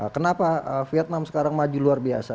kenapa vietnam sekarang maju luar biasa